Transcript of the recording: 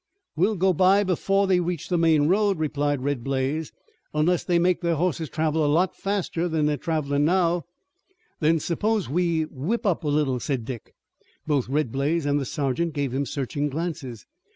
"We'll go by before they reach the main road," replied Red Blaze, "unless they make their hosses travel a lot faster than they're travelin' now." "Then suppose we whip up a little," said Dick. Both Red Blaze and the sergeant gave him searching glances.